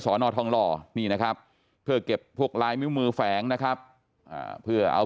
นอทองหล่อนี่นะครับเพื่อเก็บพวกลายนิ้วมือแฝงนะครับเพื่อเอา